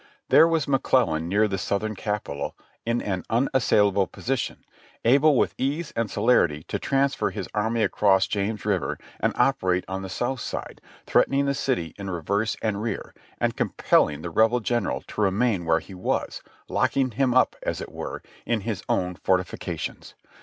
There was McClellan near to the Southern Capital in an unassailable position, able with ease and celerity to transfer his army across James River and operate on the south side, threatening the city in reverse and rear, and compelling the Rebel general to remain where he was, locking him up, as it were, in his own fortifications.